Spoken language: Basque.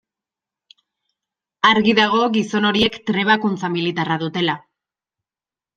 Argi dago gizon horiek trebakuntza militarra dutela.